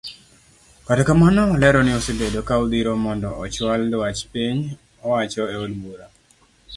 Kata kamano olero ni osebedo ka odhiro mondo ochual duach piny owacho eod bura.